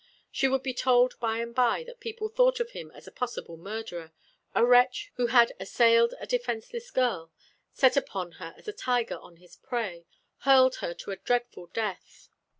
She would be told by and by that people thought of him as a possible murderer, a wretch who had assailed a defenceless girl, set upon her as a tiger on his prey, hurled her to a dreadful death.